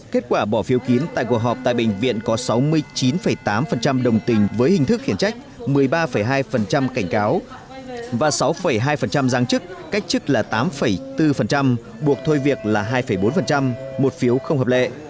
kết quả bỏ phiếu kín tại cuộc họp tại bệnh viện có sáu mươi chín tám đồng tình với hình thức khiển trách một mươi ba hai cảnh cáo và sáu hai giáng chức cách chức là tám bốn buộc thôi việc là hai bốn một phiếu không hợp lệ